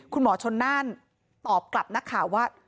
คุณหมอชนน่านตอบกลับนักข่าวว่า